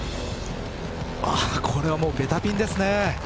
これはベタピンですね。